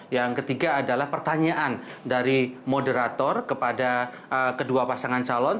yang ketiga adalah pertanyaan dari moderator kepada kedua pasangan calon